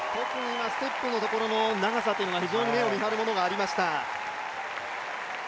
ステップのところの長さが目を見張るものがありました。